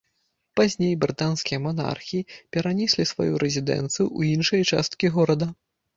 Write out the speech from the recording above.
Пазней брытанскія манархі перанеслі сваю рэзідэнцыю ў іншыя часткі горада.